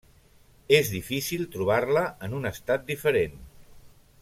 És difícil trobar-la en un estat diferent.